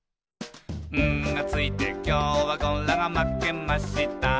「『ん』がついてきょうはゴラがまけました」